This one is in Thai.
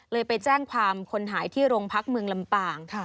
ไปแจ้งความคนหายที่โรงพักเมืองลำปาง